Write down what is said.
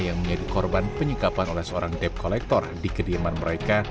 yang menjadi korban penyikapan oleh seorang debt collector di kediaman mereka